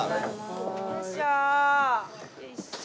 よいしょ。